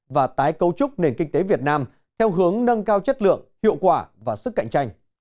và tái cấu trúc nền kinh tế việt nam theo hướng nâng cao chất lượng hiệu quả và sức cạnh tranh